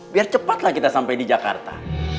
biar cepatlah kita sampai di jakarta